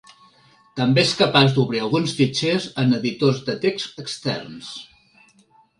També és capaç d'obrir alguns fitxers en editors de text externs.